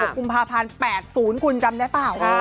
๑๖คุมภาพรรณ๘๐คุณจำได้เปล่า